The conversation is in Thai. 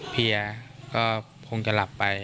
เพียก็คงจะหลับไป